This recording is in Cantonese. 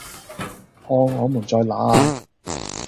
看我們在那呀？